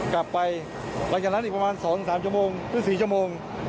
กลับไปหลังจากนั้นอีกประมาณ๒๓ชั่วโมงหรือ๔ชั่วโมง